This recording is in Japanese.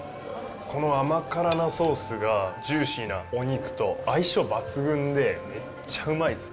この甘辛なソースがジューシーなお肉と相性抜群で、めっちゃうまいです。